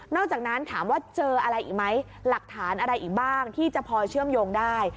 จากนั้นถามว่าเจออะไรอีกไหมหลักฐานอะไรอีกบ้างที่จะพอเชื่อมโยงได้